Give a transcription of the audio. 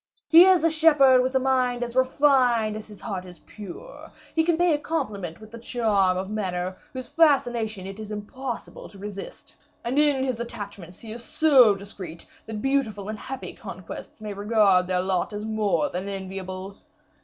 He is a shepherd with a mind as refined as his heart is pure; he can pay a compliment with a charm of manner whose fascination it is impossible to resist; and in his attachments he is so discreet, that beautiful and happy conquests may regard their lot as more than enviable.